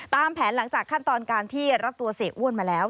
ตามแผนหลังจากขั้นตอนการที่รับตัวเสียอ้วนมาแล้ว